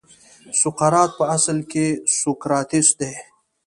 سقراط په اصل کې سوکراتیس دی.